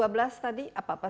yang paling gak jalan aja lah